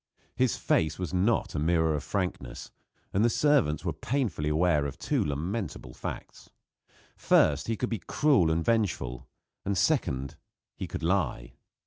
His face was not a mirror of frankness; and the servants were painfully aware of two lamentable facts: First, he could be cruel and vengeful; and second, he could lie.